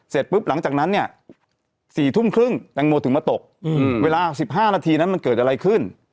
เสร็จปุ๊บหลังจากนั้นเนี่ย๔ทุ่มครึ่งแตงโมถึงมาตกเวลา๑๕นาทีนั้นมันเกิดอะไรขึ้น